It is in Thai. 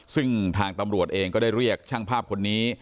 ซึ่งทางตำรวจเองก็ได้เรียกช่างภาพคนนี้